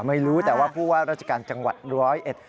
ไม่รู้แต่ว่าผู้ว่าราชการจังหวัดร้อยเอ็ด